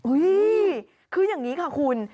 คืออย่างนี้ค่ะคุณ